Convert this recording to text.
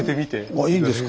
あいいんですか。